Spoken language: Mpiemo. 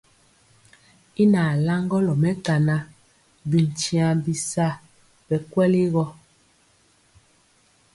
Y nalaŋgɔlɔ mɛkana bityiaŋ bisa bɛ kweli gɔ.